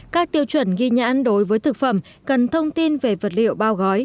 các tiêu chuẩn ghi nhãn đối với thực phẩm cần thông tin về vật liệu bao gói